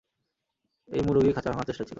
এই মুরুগি খাঁচা ভাঙার চেষ্টায় ছিল।